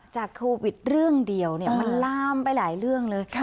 โควิดเรื่องเดียวมันลามไปหลายเรื่องเลย